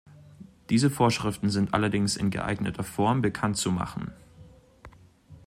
Diese Vorschriften sind allerdings in geeigneter Form bekanntzumachen.